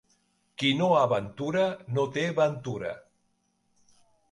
Qui no aventura, no té ventura.